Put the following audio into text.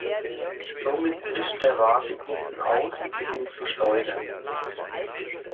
Somit bricht der Wagen hinten aus und beginnt zu schleudern.